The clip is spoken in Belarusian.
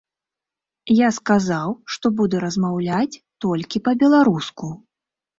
Я сказаў, што буду размаўляць толькі па-беларуску.